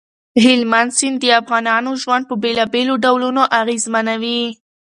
هلمند سیند د افغانانو ژوند په بېلابېلو ډولونو اغېزمنوي.